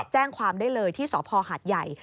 แจ้งความได้เลยที่สพหาดใหญ่